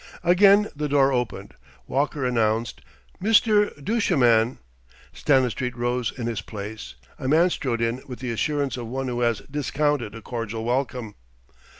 Again the door opened. Walker announced: "Mr. Duchemin." Stanistreet rose in his place. A man strode in with the assurance of one who has discounted a cordial welcome.